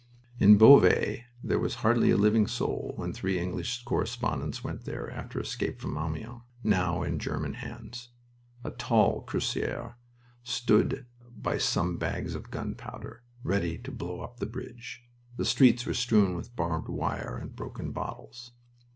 In Beauvais there was hardly a living soul when three English correspondents went there, after escape from Amiens, now in German hands. A tall cuirassier stood by some bags of gunpowder, ready to blow up the bridge. The streets were strewn with barbed wire and broken bottles...